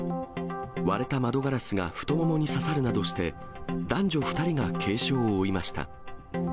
割れた窓ガラスが太ももに刺さるなどして、男女２人が軽傷を負いました。